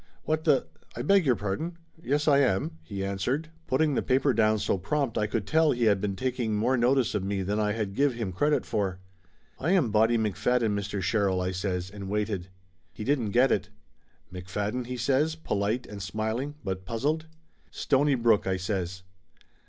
"What the I beg your pardon. Yes, I am !" he answered, putting the paper down so prompt I could tell he had been taking more notice of me than I had give him credit for. "I am Bonnie McFadden, Mr. Sherrill," I says, and waited. He didn't get it. "McFadden?" he says, polite and smiling, but puzzled. "Stonybrook," I says.